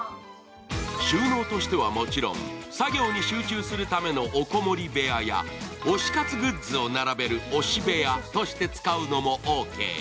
収納としてはもちろん作業に集中するためのお籠もり部屋や推し活グッズを並べる推し部屋として使うのもオーケー。